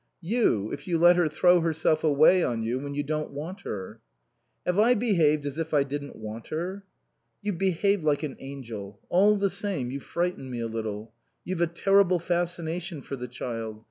"You, if you let her throw herself away on you when you don't want her." "Have I behaved as if I didn't want her?" "You've behaved like an angel. All the same, you frighten me a little. You've a terrible fascination for the child.